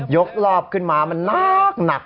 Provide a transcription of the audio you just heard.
รอบขึ้นมามันนักหนัก